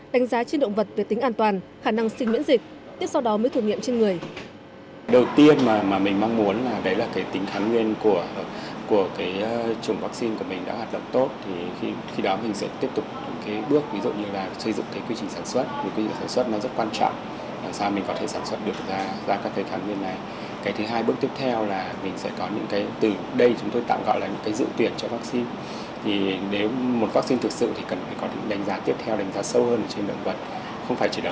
đánh giá trên động vật về tính an toàn khả năng sinh miễn dịch tiếp sau đó mới thử nghiệm trên người